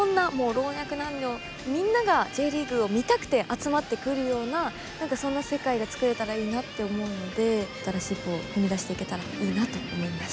老若男女みんながＪリーグを見たくて集まってくるような何かそんな世界が作れたらいいなって思うので新しい一歩を踏み出していけたらいいなと思います。